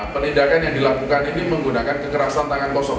penindakan yang dilakukan ini menggunakan kekerasan tangan kosong